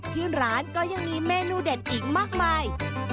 ที่ร้านก็ยังมีเมนูเด็ดอีกมากมาย